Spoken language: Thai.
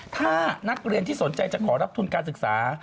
ถ้านักเรียนที่สนใจจะขอรับทุนการศึกษา